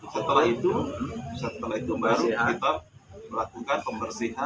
setelah itu baru kita melakukan pembersihan